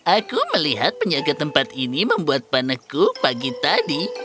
aku melihat penjaga tempat ini membuat paneku pagi tadi